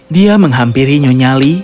dia menghampiri nyonyali